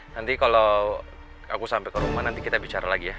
nanti kalau aku sampai ke rumah nanti kita bicara lagi ya